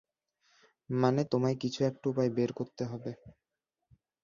মানে, তোমায় কিছু একটা উপায় বের করতে হবে।